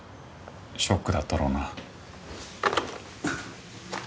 ショックだったろうな。